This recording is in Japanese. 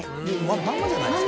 まんまじゃないですか？